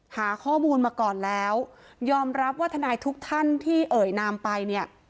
หาข้อมูลมาก่อนแล้วยอมรับว่าทนายทุกท่านที่เอ่ยนามไปเนี่ย